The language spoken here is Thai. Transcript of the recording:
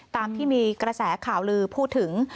ตามที่มีกระแสข่าวลือพูดถึง